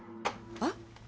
あっ！